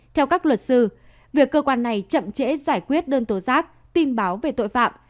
theo các luật sư việc cơ quan này chậm trễ giải quyết đơn tố giác tin báo về tội phạm